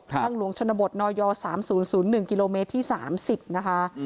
ทางหลวงชนบทนย๓๐๐๑กิโลเมตรที่๓๐นะคะ